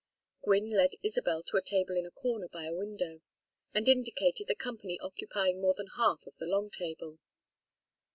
Gwynne led Isabel to a table in a corner by a window, and indicated the company occupying more than half of the long table.